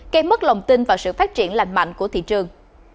gây mất lòng tin vào sự phát triển lành mạnh của thị trường